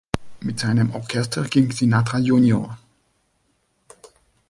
Mit seinem Orchester ging Sinatra jr.